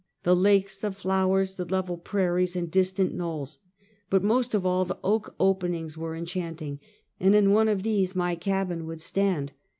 The lakes, the flowers, the level prairies and distant knolls, but most of all the oak openings were enchanting, and in one of these my cabin would stand.